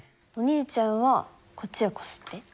お兄ちゃんはこっちをこすって。